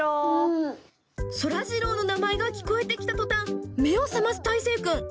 そらジローの名前が聞こえてきたとたん、目を覚ますたいせいくん。